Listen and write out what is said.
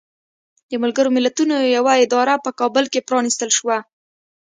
د ملګرو ملتونو یوه اداره په کابل کې پرانستل شوه.